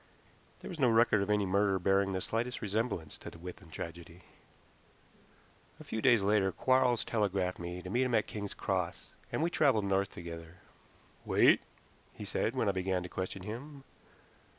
There was no record of any murder bearing the slightest resemblance to the Withan tragedy. A few days later Quarles telegraphed me to meet him at Kings Cross, and we traveled North together. "Wait," he said when I began to question him.